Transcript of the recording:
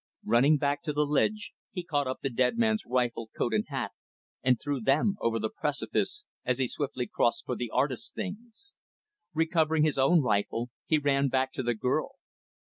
Running back to the ledge, he caught up the dead man's rifle, coat, and hat, and threw them over the precipice, as he swiftly crossed for the artist's things. Recovering his own rifle, he ran back to the girl.